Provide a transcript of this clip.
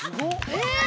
えっ！？